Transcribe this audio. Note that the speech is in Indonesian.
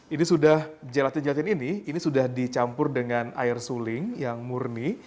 ini sudah gelatin gelatin ini ini sudah dicampur dengan air suling yang murni